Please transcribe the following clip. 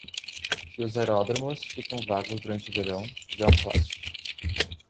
Que os aeródromos ficam vagos durante o verão, já é um clássico.